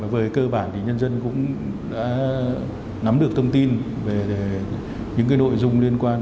về cơ bản thì nhân dân cũng đã nắm được thông tin về những nội dung liên quan